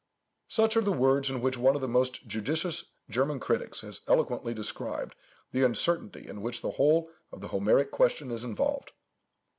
Such are the words in which one of the most judicious German critics has eloquently described the uncertainty in which the whole of the Homeric question is involved.